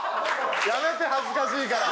やめて恥ずかしいから。